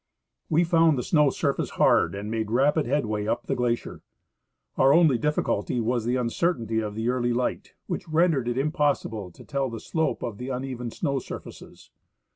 We found the snow surface hard, and made rapid headway up the glacier. Our only difficulty was the uncertainty of the early light, which rendered it impossible to tell the slope of the uneven snow surfaces.